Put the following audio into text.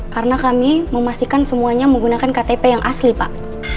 karena kami memastikan semuanya menggunakan ktp yang asli pak